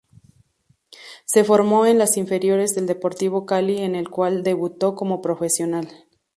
Se formó en las inferiores del Deportivo Cali en el cual debutó como profesional.